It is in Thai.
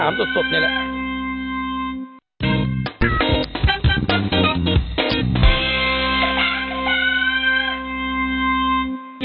ถามสดนี่เลย